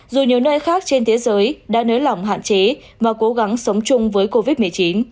dù nhiều nơi khác trên thế giới đã nới lỏng hạn chế và cố gắng sống chung với covid một mươi chín